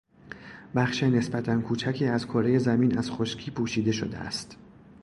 بخش نسبتا کوچکی از کرهی زمین از خشکی پوشیده شده است.